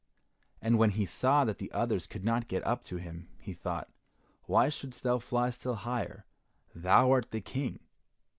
And when he saw that the others could not get up to him, he thought, "Why shouldst thou fly still higher, thou art the King?"